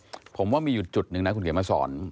ผมว่ามีอยู่จุดหนึ่งนะคุณเขียนมาสอน